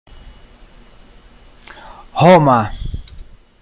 homa